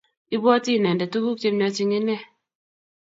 ibwoti inendet tukuk chemiach eng ine